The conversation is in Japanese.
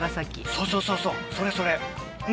そうそうそうそれそれ。